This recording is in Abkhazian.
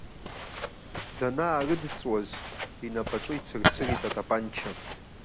Данаарыдҵуаз, инапаҿы ицырцырит атапанча.